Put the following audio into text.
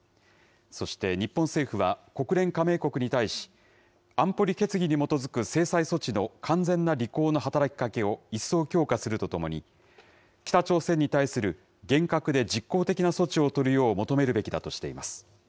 そして日本政府は、国連加盟国に対し、安保理決議に基づく制裁措置の完全な履行の働きかけを一層強化するとともに、北朝鮮に対する厳格で実効的な措置を取るよう求めるべきだとしています。